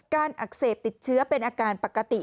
อักเสบติดเชื้อเป็นอาการปกติ